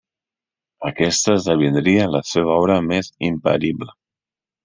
Aquesta esdevindria la seva obra més imperible.